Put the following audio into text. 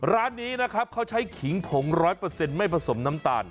ร้านนี้นะครับเขาใช้ขิงผง๑๐๐ไม่ผสมน้ำตาล